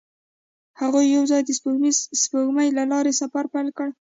هغوی یوځای د سپوږمیز سپوږمۍ له لارې سفر پیل کړ.